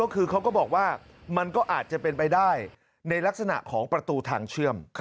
คือเขาก็บอกว่ามันก็อาจจะเป็นไปได้ในลักษณะของประตูทางเชื่อม